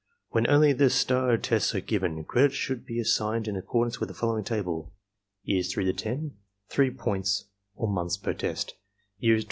^ When only the starred tests are given, credits should be assigned in accordance with the following table: Years 3 to 10 3 points (or months) per test.